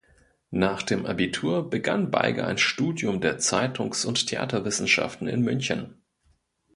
Nach dem Abitur begann Beiger ein Studium der Zeitungs- und Theaterwissenschaften in München.